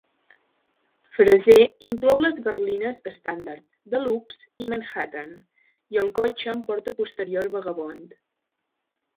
Frazer inclou les berlines Standard, Deluxe i Manhattan, i el cotxe amb porta posterior Vagabond.